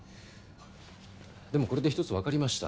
でもこれで一つわかりました。